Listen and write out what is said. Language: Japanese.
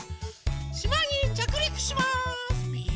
しまにちゃくりくします！